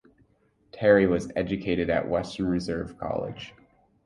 Terry was educated at Western Reserve College.